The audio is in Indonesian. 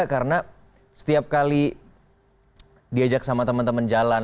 karena setiap kali diajak sama teman teman